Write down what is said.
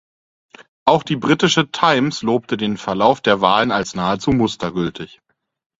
Auch die britische "Times" lobte den Verlauf der Wahlen als „nahezu mustergültig“.